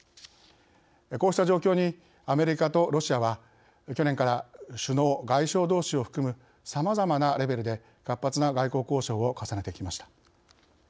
こうした状況にアメリカとロシアは去年から首脳・外相どうしを含むさまざまなレベルで活発な外交交渉を重ねてきました。